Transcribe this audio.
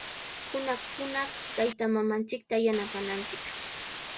Hunaq-hunaqmi taytamamanchikta yanapananchik.